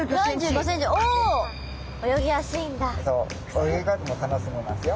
泳ぎ方も楽しめますよ。